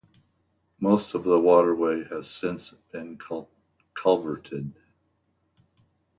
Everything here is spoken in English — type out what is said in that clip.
Most of this waterway has since been culverted.